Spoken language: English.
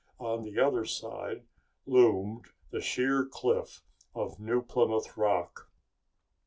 On the other side loomed the sheer cliff of New Plymouth Rock.